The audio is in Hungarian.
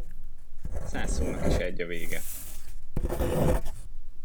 Száz szónak is egy a vége.